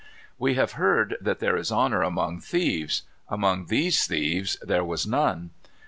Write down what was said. We have heard that there is honor among thieves. Among these thieves there was none.